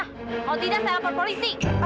kalau tidak saya lapor polisi